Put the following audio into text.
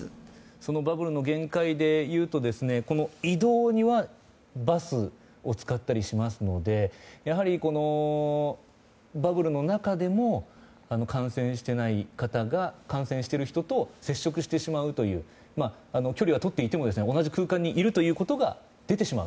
そのバブルの限界でいうと移動にはバスを使ったりしますのでやはり、バブルの中でも感染していない方が感染してる人と接触してしまうという距離はとっていても同じ空間にいるということが出てしまう。